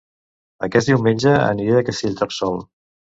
Aquest diumenge aniré a Castellterçol